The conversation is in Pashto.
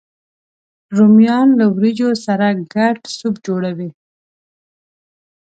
رومیان له ورېجو سره ګډ سوپ جوړوي